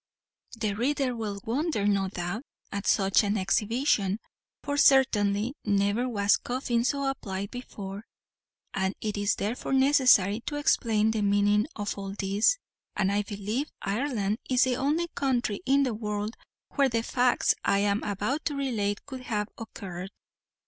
The reader will wonder, no doubt, at such an exhibition, for certainly never was coffin so applied before; and it is therefore necessary to explain the meaning of all this, and I believe Ireland is the only country in the world where the facts I am about to relate could have occurred.